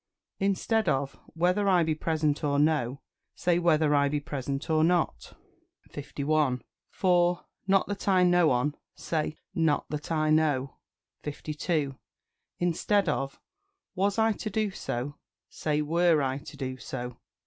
Instead of "Whether I be present or no," say "Whether I be present or not." 51. For "Not that I know on," say "Not that I know." 52. Instead of "Was I to do so," say "Were I to do so."